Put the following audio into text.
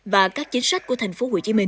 và các chính sách của thành phố